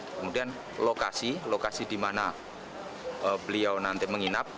kemudian lokasi lokasi di mana beliau nanti menginap